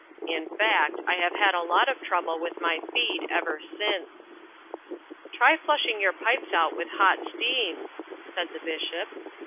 "In fact, I have had a lot of trouble with my feed ever since." "Try flushing your pipes out with hot steam," said the Bishop.